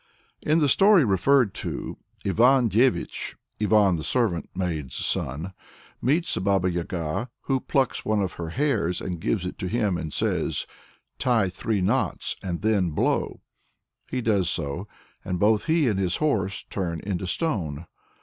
In the story referred to, Ivan Dévich (Ivan the servant maid's son) meets a Baba Yaga, who plucks one of her hairs, gives it to him, and says, "Tie three knots and then blow." He does so, and both he and his horse turn into stone.